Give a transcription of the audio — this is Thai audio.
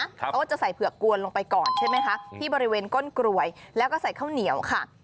เขาก็จะใส่เผือกกวนลงไปก่อนใช่ไหมคะที่บริเวณก้นกลวยแล้วก็ใส่ข้าวเหนียวค่ะ